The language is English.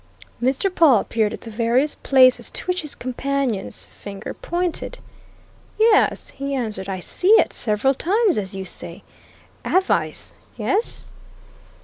Mr. Pawle peered at the various places to which his companion's finger pointed. "Yes," he answered, "I see it several times, as you say. Avice! Yes?"